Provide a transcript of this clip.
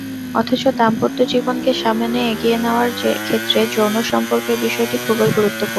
অথচ দাম্পত্য জীবনকে সামনে এগিয়ে নেওয়ার ক্ষেত্রে যৌন সম্পর্কের বিষয়টি খুবই গুরুত্বপূর্ণ।